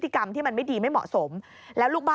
นี่ค่ะคุณผู้ชมพอเราคุยกับเพื่อนบ้านเสร็จแล้วนะน้า